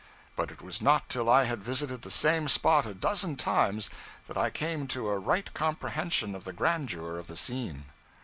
But it was not till I had visited the same spot a dozen times, that I came to a right comprehension of the grandeur of the scene.'